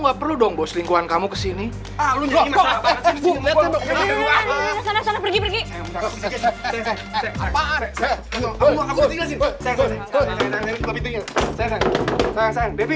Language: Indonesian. nggak perlu dong bos lingkungan kamu kesini aku lihat pergi pergi